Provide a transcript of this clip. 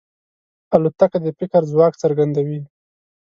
الوتکه د فکر ځواک څرګندوي.